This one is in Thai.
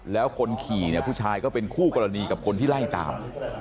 แล้วคนขี่เนี่ยผู้ชายก็เป็นคู่กรณีกับคนที่ไล่ตาม